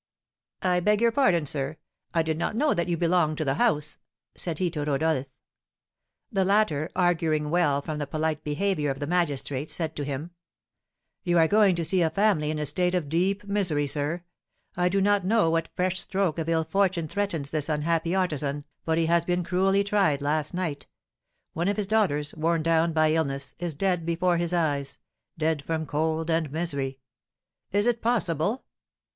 "I beg your pardon, sir, I did not know that you belonged to the house," said he to Rodolph. The latter, auguring well from the polite behaviour of the magistrate, said to him: "You are going to see a family in a state of deep misery, sir. I do not know what fresh stroke of ill fortune threatens this unhappy artisan, but he has been cruelly tried last night, one of his daughters, worn down by illness, is dead before his eyes, dead from cold and misery." "Is it possible?"